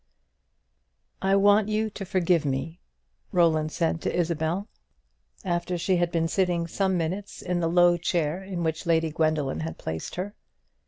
"I want you to forgive me," Roland said to Isabel, after she had been sitting some minutes in the low chair in which Lady Gwendoline had placed her.